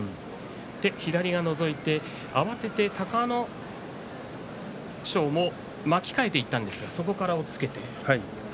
左がのぞいて慌てて隆の勝も巻き替えていったんですがそこから押っつけて。